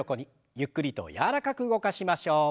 ゆっくりと柔らかく動かしましょう。